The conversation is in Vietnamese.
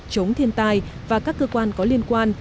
chống thiên tai và các cơ quan có liên quan